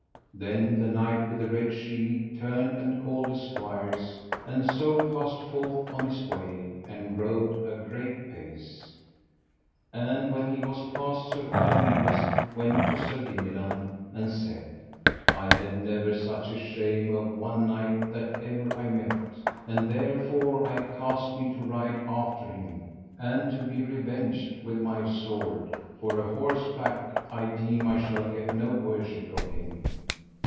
Then the Knight with the Red Shield turned and called his squires, and so passed forth on his way, and rode a great pace. And when he was past Sir Palomides went to Sir Dinadan, and said: I had never such a shame of one knight that ever I met; and therefore I cast me to ride after him, and to be revenged with my sword, for a horseback I deem I shall get no worship of him.